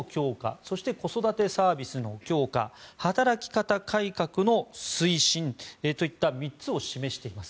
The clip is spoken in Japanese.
そして、子育てサービスの強化働き方改革の推進といった３つを示しています。